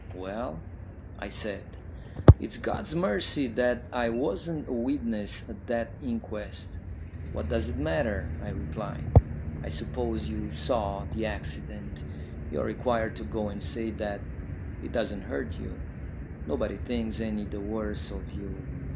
"Well?" I said. "It's God's mercy that I wasn't a witness at that inquest." "What does it matter?" I replied. "I suppose you saw the accident. You are required to go and say that; it doesn't hurt you. Nobody thinks any the worse of you.